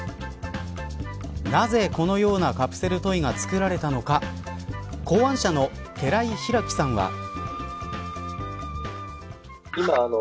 なぜこのようなカプセルトイが作られたのか考案者の寺井広樹さんは。